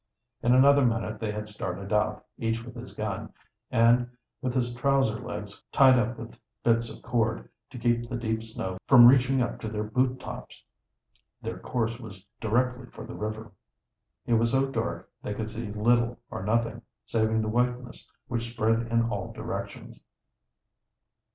In another minute they had started out, each with his gun, and with his trouser legs tied up with bits of cord, to keep the deep snow from reaching up to their boot tops. Their course was directly for the river. It was so dark they could see little or nothing, saving the whiteness which spread in all directions.